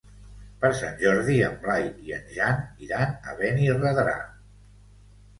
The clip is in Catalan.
Per Sant Jordi en Blai i en Jan iran a Benirredrà.